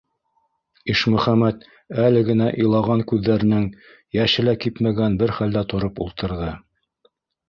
Ишмөхәмәт әле генә илаған күҙҙәренең йәше лә кипмәгән бер хәлдә тороп ултырҙы.